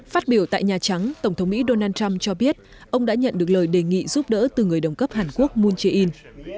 phát biểu tại nhà trắng tổng thống mỹ donald trump cho biết ông đã nhận được lời đề nghị giúp đỡ từ người đồng cấp hàn quốc moon jae in